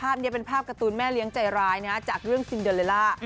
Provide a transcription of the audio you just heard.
ภาพนี้เป็นภาพการ์ตูนแม่เลี้ยงใจร้ายนะจากเรื่องซิงเดอเลล่า